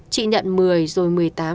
chị nhận một mươi rồi một mươi tám hai mươi